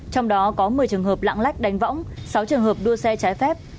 trong đó có một mươi trường hợp lạng lách đánh võng sáu trường hợp đua xe trái phép